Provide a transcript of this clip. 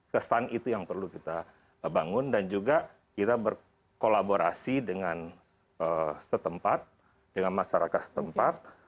kesan itu yang perlu kita bangun dan juga kita berkolaborasi dengan setempat dengan masyarakat setempat